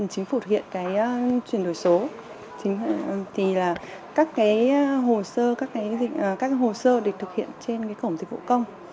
chính là các hồ sơ được thực hiện trên cổng dịch vụ công